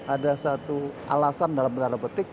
ada satu alasan dalam tanda petik